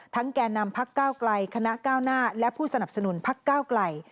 แก่นำพักก้าวไกลคณะก้าวหน้าและผู้สนับสนุนพักก้าวไกล